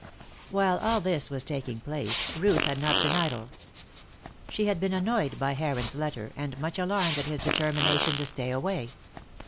While all this was taking place Ruth had not been idle. She had been annoyed by Heron's letter, and much alarmed at his determination to stay away.